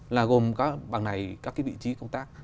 là gồm các bằng này các cái vị trí công tác